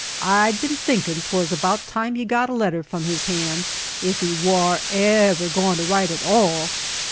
I'd been thinkin' 't was about time ye got a letter from his hand, ef he war ever goin' t' write at all.